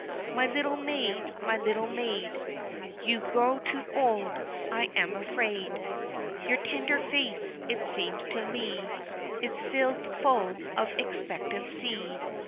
My little maid, my little maid, You grow too old, I am afraid, Your tender face it seems to me, Is filled full of expectancy.